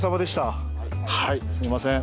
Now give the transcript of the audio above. はいすいません。